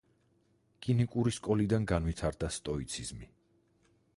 კინიკური სკოლიდან განვითარდა სტოიციზმი.